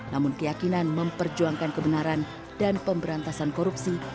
namun keyakinan memperjuangkan kebenaran dan pemberantasan korupsi